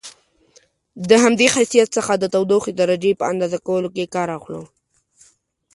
د همدې خاصیت څخه د تودوخې درجې په اندازه کولو کې کار اخلو.